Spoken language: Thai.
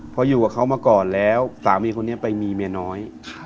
พออยู่กับเขามาก่อนแล้วสามีคนนี้ไปมีเมียน้อย